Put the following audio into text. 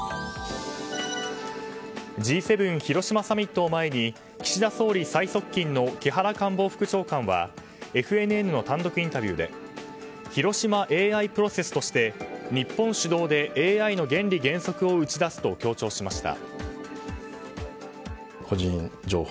Ｇ７広島サミットを前に岸田総理最側近の木原官房副長官はＦＮＮの単独インタビューで広島ＡＩプロセスとして日本主導でＡＩの原理原則を打ち出すと強調しました。